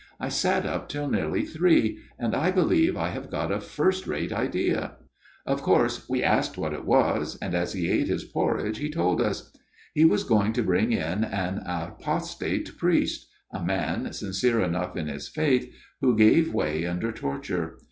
I sat up till nearly three, and I believe I have got a first rate idea.' " Of course we asked what it was, and as he ate his porridge he told us. " He was going to bring in an apostate priest a man, sincere enough in his faith, who gave way under torture.